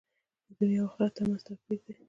د دنیا او آخرت تر منځ توپیر دی.